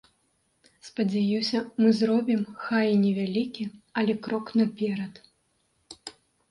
Спадзяюся, мы зробім, хай і невялікі, але крок наперад.